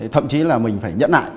thậm chí là mình phải nhẫn lại